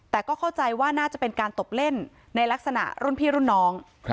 แต่ก็เข้าใจว่าน่าจะเป็นการตบเล่นในลักษณะรุ่นพี่รุ่นน้อง